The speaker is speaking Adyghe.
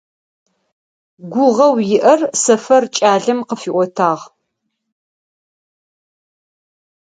Гугъоу иӀэр Сэфэр кӀалэм къыфиӀотагъ.